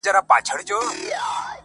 • خو بدرنګه وو دا یو عیب یې په کور وو -